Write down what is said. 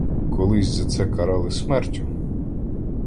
Колись за це карали смертю.